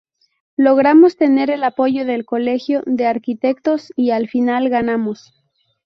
Logramos tener el apoyo del Colegio de Arquitectos, y al final ganamos".